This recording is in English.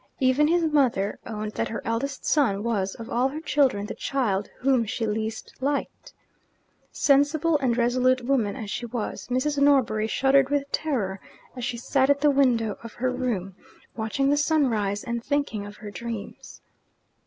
Even his mother owned that her eldest son was of all her children the child whom she least liked. Sensible and resolute woman as she was, Mrs. Norbury shuddered with terror as she sat at the window of her room, watching the sunrise, and thinking of her dreams.